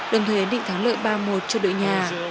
đồng thời ấn định thắng lợi ba một cho đội nhà